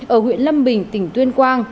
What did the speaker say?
ở huyện lâm bình tỉnh tuyên quang